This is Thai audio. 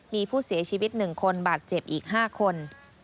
มีผู้เสียชีวิต๑คนบาดเจ็บอีก๕คน